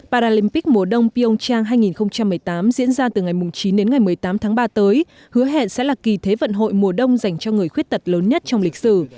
paralympic mùa đông pioncheng hai nghìn một mươi tám diễn ra từ ngày chín đến ngày một mươi tám tháng ba tới hứa hẹn sẽ là kỳ thế vận hội mùa đông dành cho người khuyết tật lớn nhất trong lịch sử